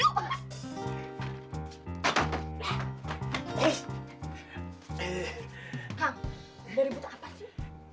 hang udah ribut apa sih